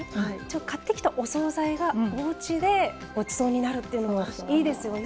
買ってきたお総菜がおうちでごちそうになるっていうのいいですよね。